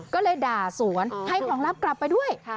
ก็เลยด่าสวนให้ของลับกลับไปด้วย